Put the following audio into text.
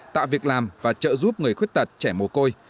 tạo việc làm và trợ giúp người khuyết tật trẻ mồ côi